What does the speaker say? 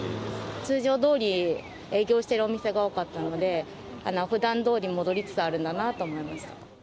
通常どおり営業しているお店が多かったので、ふだんどおり戻りつつあるんだなと思いました。